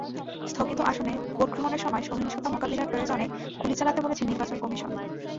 স্থগিত আসনে ভোট গ্রহণের সময় সহিংসতা মোকাবিলায় প্রয়োজনে গুলি চালাতে বলেছে নির্বাচন কমিশন।